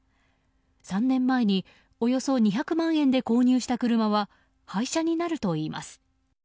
３年前におよそ２００万円で購入した車は廃車になるといいます。